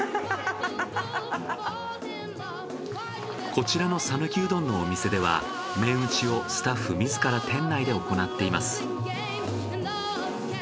こちらの讃岐うどんのお店では麺打ちをスタッフ自ら店内で行っています。